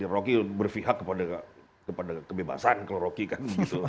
rocky berpihak kepada kebebasan kalau rocky kan gitu